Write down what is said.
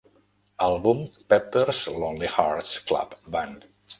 Àlbum "Pepper's Lonely Hearts Club Band".